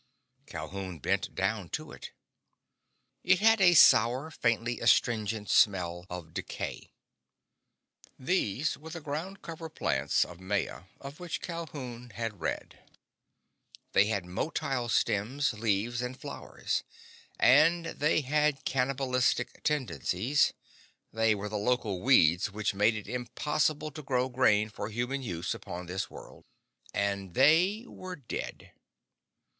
Calhoun bent down to it. It had a sour, faintly astringent smell of decay. These were the ground cover plants of Maya of which Calhoun had read. They had motile stems, leaves and flowers, and they had cannibalistic tendencies. They were the local weeds which made it impossible to grow grain for human use upon this world. And they were dead.